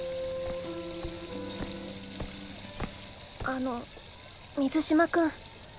あの水嶋君。